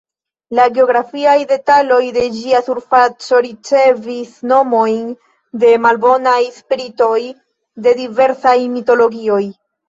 La "geografiaj" detaloj de ĝia surfaco ricevis nomojn de malbonaj spiritoj de diversaj mitologioj.